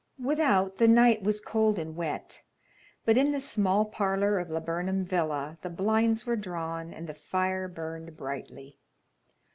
Without, the night was cold and wet, but in the small parlour of Laburnam Villa the blinds were drawn and the fire burned brightly.